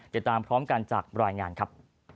ติดตามพร้อมกันจากรายงานครับ